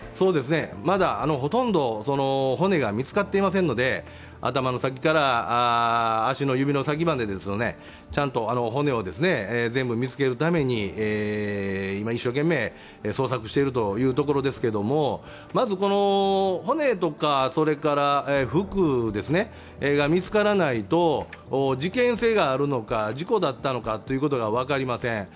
まだほとんど骨が見つかっていませんので頭の先から足の指の先までちゃんと骨を全部見つけるために今、一生懸命捜索しているところですけれども、まず骨とか、服が見つからないと事件性があるのか、事故だったのかということが分かりません。